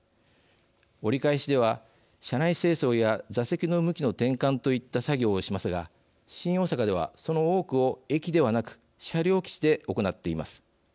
折り返しでは車内清掃や座席の向きの転換といった作業をしますが新大阪ではその多くを駅ではなく車両基地で行っています。